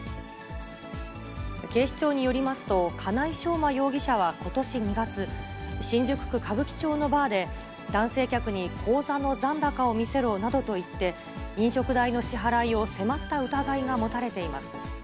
警視庁によりますと、金井将馬容疑者はことし２月、新宿区歌舞伎町のバーで、男性客に口座の残高を見せろなどといって、飲食代の支払いを迫った疑いが持たれています。